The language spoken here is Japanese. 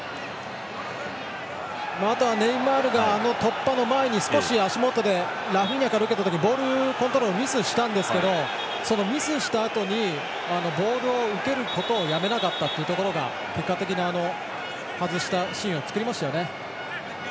リシャルリソンが突破の前に少し足元でラフィーニャから受けたときミスしたんですがそのミスしたあとにボールを受けることをやめなかったっていうところが結果的に外したシーンを作りましたよね。